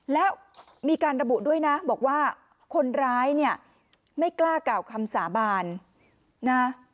แล้วมีการระบุด้วยนะบอกว่าคนร้ายเนี่ยไม่กล้ากล่าวคำสาบานนะ